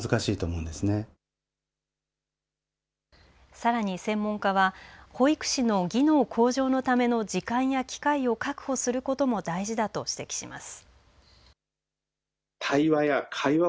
さらに専門家は保育士の技能向上のための時間や機会を確保することも大事だと指摘します。